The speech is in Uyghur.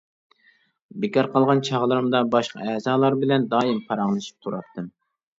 بىكار قالغان چاغلىرىمدا باشقا ئەزالار بىلەن دائىم پاراڭلىشىپ تۇراتتىم.